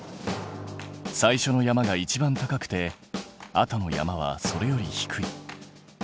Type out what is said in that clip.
最初の山がいちばん高くてあとの山はそれより低い。